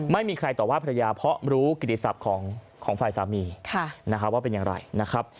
ไม่มีใครตอบว่าภรรยาเพราะรู้กิติศัพท์ของฝ่ายสามีนะครับว่าเป็นอย่างไรนะครับ